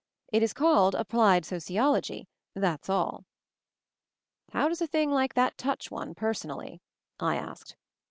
It is called Applied Sociology — that's all." "How does a thing like that touch one, personally?" I asked.